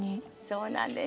そうなんです。